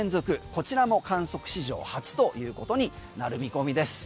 こちらも観測史上初ということになる見込みです。